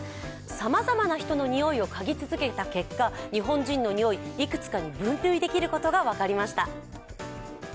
さまざまな人のにおいをかぎ続けた結果、日本人のにおい、いくつかに分類できることが分かりました。